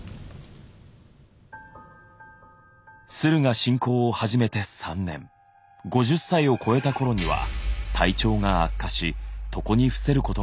駿河侵攻を始めて３年５０歳を超えたころには体調が悪化し床にふせることが多くなった。